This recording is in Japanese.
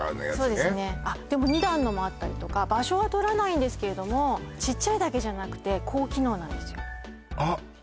そうですねあっでも２段のもあったりとか場所は取らないんですけれどもちっちゃいだけじゃなくて高機能なんですよあっ！